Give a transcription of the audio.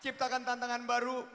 ciptakan tantangan baru